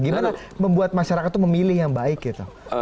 gimana membuat masyarakat itu memilih yang baik gitu